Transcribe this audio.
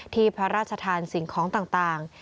พระราชทานสิ่งของต่าง